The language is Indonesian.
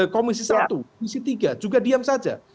komisi satu komisi tiga juga diam saja